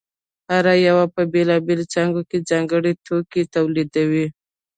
هر یوه په بېلابېلو څانګو کې ځانګړی توکی تولیداوه